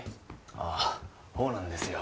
ああほうなんですよ